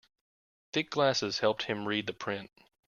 Thick glasses helped him read the print.